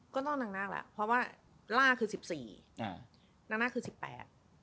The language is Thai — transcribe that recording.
ก็ต้องนางนากแล้วเพราะว่าร่าคือ๑๔นางนากคือ๑๘